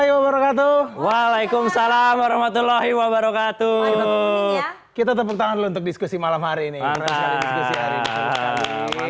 kita harus juda terlebih dahulu jangan kemarau marau